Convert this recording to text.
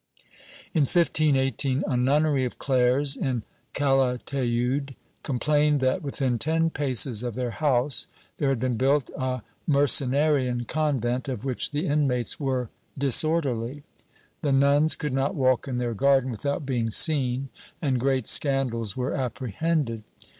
In 1518 a nunnery of Clares, in Calatayud, complained that, within ten paces of their house, there had been built a Mercenarian convent of which the inmates were disorderly ; the nuns could not walk in their garden without being seen and great scandals were apprehended.